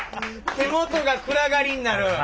手元が暗がりになる。